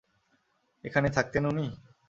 এখানে থাকতেন উনি?